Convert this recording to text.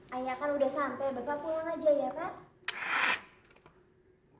pak ini ayah kan udah sampai bapak pulang aja ya pak